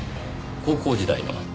高校時代の。